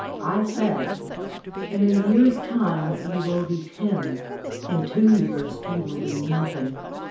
I said: "In a year's time you will be ten; in two years you will be nothing.